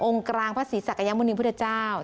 กลางพระศรีศักยมุณีพุทธเจ้า